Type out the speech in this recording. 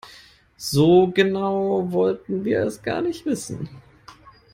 So genau wollten wir es gar nicht wissen.